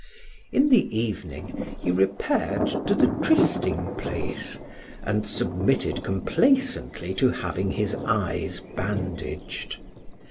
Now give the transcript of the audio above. In the evening he repaired to the trysting place and submitted complacently to having his eyes bandaged.